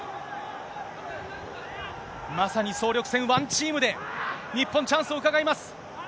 まさに総力戦、ワンチームで、日本、チャンスをうかがいます。